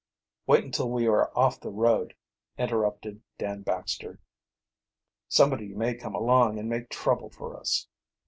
"Wait until we are off the road," interrupted Dan Baxter. "Somebody may come along and make trouble for us."